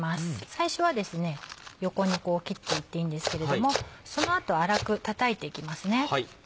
最初は横に切っていっていいんですけれどもその後粗くたたいていきますね。